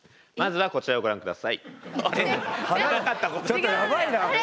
ちょっとヤバいな。